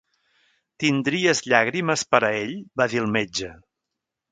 "Tindries llàgrimes per a ell?", va dir el metge.